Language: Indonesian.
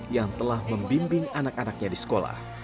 yang telah membimbing anak anaknya di sekolah